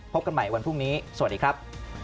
พบกันใหม่วันพรุ่งนี้สวัสดีครับ